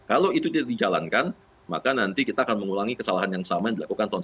kalau itu tidak dijalankan maka nanti kita akan mengulangi kesalahan yang sama yang dilakukan tahun dua ribu